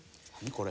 これ。